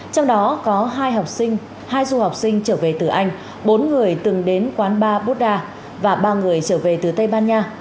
trong đó có hai học sinh hai du học sinh trở về từ anh bốn người từng đến quán ba bodda và ba người trở về từ tây ban nha